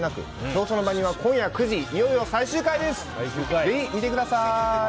「競争の番人」は今夜９時、いよいよ最終回です！